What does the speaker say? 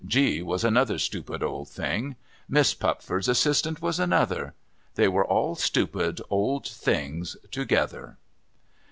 G was another stupid old thing. Miss Pupford's assistant was another. They were all stupid old things together.